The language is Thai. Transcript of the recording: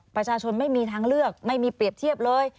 ประชาชนไม่มีทางเลือกไม่มีเปรียบเทียบเลย